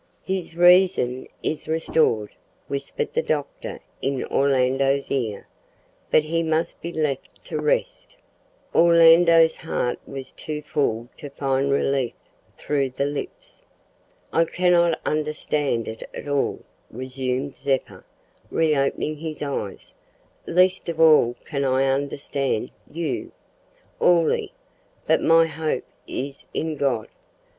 "His reason is restored," whispered the doctor in Orlando's ear, "but he must be left to rest." Orlando's heart was too full to find relief through the lips. "I cannot understand it at all," resumed Zeppa, reopening his eyes; "least of all can I understand you, Orley, but my hope is in God.